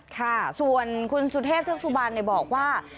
ค่ะส่วนคุณสุเทพเทือกสุบันบอกว่า